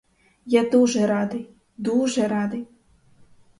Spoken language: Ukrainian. Я дуже радий, дуже радий!